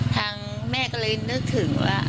ทางแม่ก็เลยนึกถึงว่า